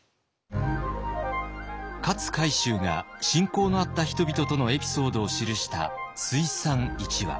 勝海舟が親交のあった人々とのエピソードを記した「追賛一話」。